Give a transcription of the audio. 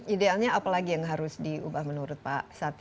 idealnya apalagi yang harus diubah menurut pak satya